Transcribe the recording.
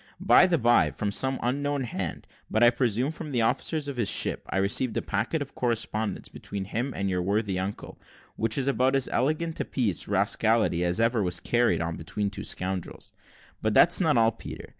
By the bye, from some unknown hand, but I presume from the officers of his ship, I received a packet of correspondence between him and your worthy uncle, which is about as elegant a piece of rascality as ever was carried on between two scoundrels; but that's not all, Peter.